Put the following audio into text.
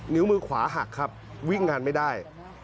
นิ้วมือขวาหักครับวิ่งงานไม่ได้